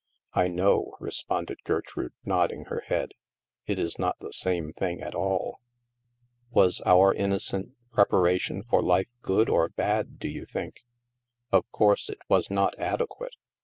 I know," responded Gertrude, nodding her head ; it is not the same thing at all." Was our innocent preparation for life good or bad, do you think? Of course, it was not adequate.